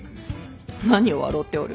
何を笑うておる。